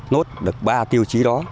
nốt được ba tiêu chí đó